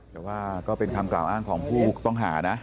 แต่ว่าก็เป็นคำกล่าวอ้างของผู้ต้องหานะ